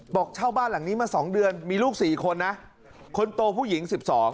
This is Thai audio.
บอกเช่าบ้านหลังนี้มา๒เดือนมีลูก๔คนนะคนโตผู้หญิง๑๒